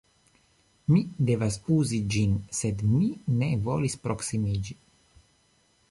Mi devas uzi ĝin sed mi ne volis proksimiĝi